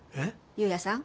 夕也さん